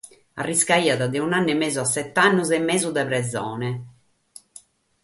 Arriscaiat dae un'annu e mesu a sete annos e mesu de presone.